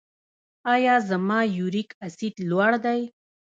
ایا زما یوریک اسید لوړ دی؟